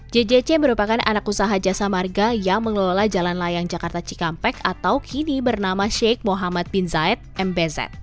jjc merupakan anak usaha jasa marga yang mengelola jalan layang jakarta cikampek atau kini bernama sheikh muhammad bin zaid mbz